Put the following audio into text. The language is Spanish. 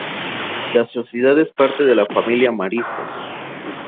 La Sociedad es parte de la Familia Marista.